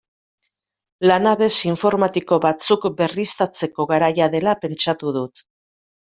Lanabes informatiko batzuk berriztatzeko garaia dela pentsatu dut.